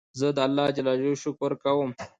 زه د الله جل جلاله شکر کوم.